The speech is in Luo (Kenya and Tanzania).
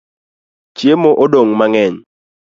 Chiemo odong mangeny